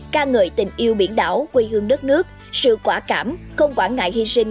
ca ngợi tình yêu biển đảo quê hương đất nước sự quả cảm không quản ngại hy sinh